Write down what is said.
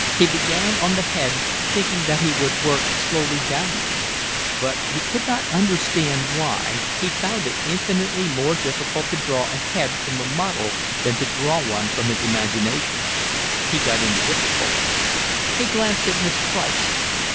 He began on the head, thinking that he would work slowly downwards, but, he could not understand why, he found it infinitely more difficult to draw a head from the model than to draw one from his imagination. He got into difficulties. He glanced at Miss Price.